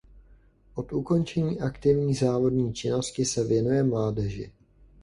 Od ukončení aktivní závodní činnosti se věnuje mládeži.